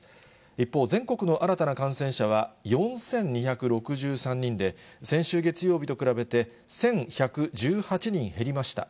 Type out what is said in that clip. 一方、全国の新たな感染者は４２６３人で、先週月曜日と比べて、１１１８人減りました。